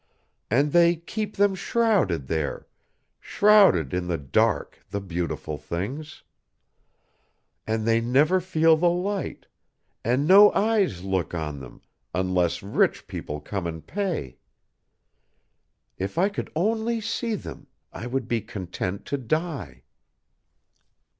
And they keep them shrouded there shrouded in the dark, the beautiful things! and they never feel the light, and no eyes look on them, unless rich people come and pay. If I could only see them, I would be content to die."